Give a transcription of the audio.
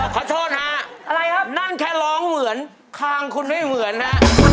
ขอโทษนะนั่นแค่ร้องเหมือนคลางคุณไม่เหมือนน่ะ